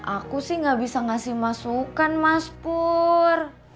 aku sih gak bisa ngasih masukan mas pur